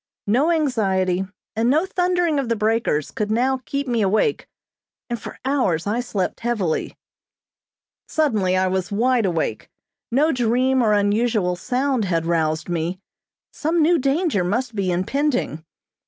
No anxiety, and no thundering of the breakers could now keep me awake, and for hours I slept heavily. Suddenly I was wide awake. No dream or unusual sound had roused me. Some new danger must be impending.